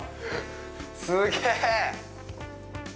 すげえ！